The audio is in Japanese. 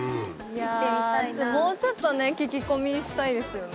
もうちょっとね聞き込みしたいですよね。